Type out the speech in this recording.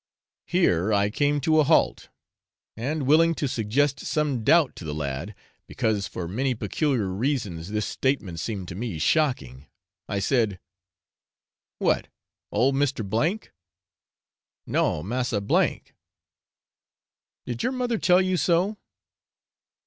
Here I came to a halt, and, willing to suggest some doubt to the lad, because for many peculiar reasons this statement seemed to me shocking, I said, 'What, old Mr. K ?' 'No, massa R .' 'Did your mother tell you so?'